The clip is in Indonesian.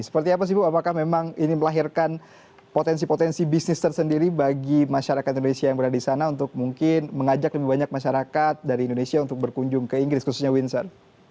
seperti apa sih bu apakah memang ini melahirkan potensi potensi bisnis tersendiri bagi masyarakat indonesia yang berada di sana untuk mungkin mengajak lebih banyak masyarakat dari indonesia untuk berkunjung ke inggris khususnya windsor